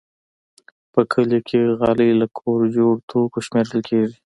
په کلیو کې غالۍ له کور جوړو توکو شمېرل کېږي.